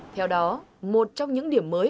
theo đó một trong những điểm mới